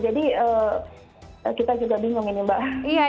jadi kita juga bingung ini mbak